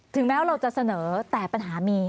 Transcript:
แม้เราจะเสนอแต่ปัญหามี